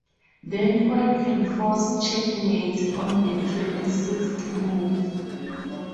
Then White can force checkmate on the twenty-sixth move.